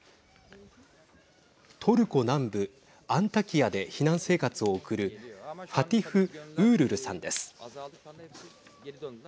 トルコ南部アンタキヤで避難生活を送るファティフ・ウールルさんです。